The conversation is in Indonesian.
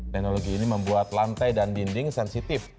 teknologi ini membuat lantai dan dinding sensitif